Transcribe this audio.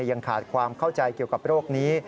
ยังขาดความเข้าใจเกี่ยวกับโรคนี้